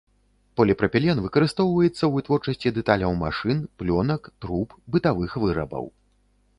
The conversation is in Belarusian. Поліпрапілен выкарыстоўваецца ў вытворчасці дэталяў машын, плёнак, труб, бытавых вырабаў.